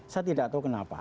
saya tidak tahu kenapa